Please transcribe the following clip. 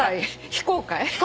非公開。